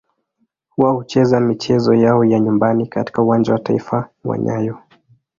Wao hucheza michezo yao ya nyumbani katika Uwanja wa Taifa wa nyayo.